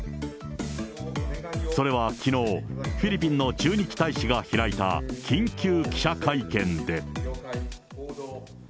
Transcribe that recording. それはきのう、フィリピンの駐日大使が開いた緊急記者会見で。